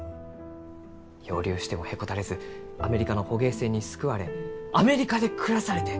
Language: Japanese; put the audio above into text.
漂流してもへこたれずアメリカの捕鯨船に救われアメリカで暮らされて！